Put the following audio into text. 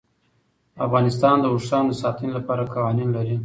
افغانستان د اوښانو د ساتنې لپاره قوانین لري.